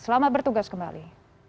selamat bertugas kembali